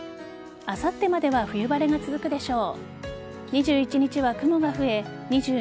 あさってまでは冬晴れが続くでしょう。